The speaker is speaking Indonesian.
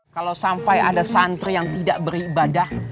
kalau sampai ada santri yang tidak beribadah